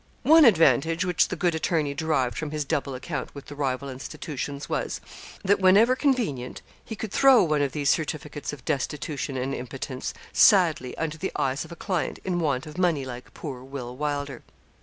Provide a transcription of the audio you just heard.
One advantage which the good attorney derived from his double account with the rival institutions was, that whenever convenient he could throw one of these certificates of destitution and impotence sadly under the eyes of a client in want of money like poor Will Wylder.